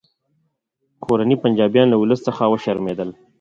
کورني پنجابیان له ولس څخه وشرمیدل